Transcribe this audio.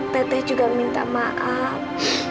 teteh juga minta maaf